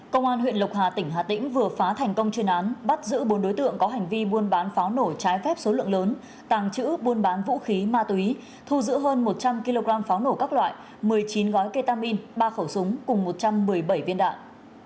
công an huyện lộc hà tỉnh hà tĩnh vừa phá thành công chuyên án bắt giữ bốn đối tượng có hành vi buôn bán pháo nổ trái phép số lượng lớn tàng trữ buôn bán vũ khí ma túy thu giữ hơn một trăm linh kg pháo nổ các loại một mươi chín gói ketamin ba khẩu súng cùng một trăm một mươi bảy viên đạn